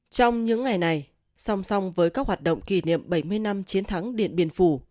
trong những ngày này song song với các hoạt động kỷ niệm bảy mươi năm chiến thắng điện biên phủ